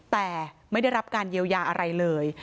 แต่ไม่ได้รับการเยียวยาอะไรเลย